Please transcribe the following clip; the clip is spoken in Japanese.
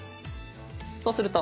そうすると。